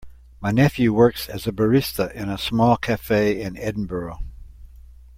My nephew works as a barista in a small cafe in Edinburgh.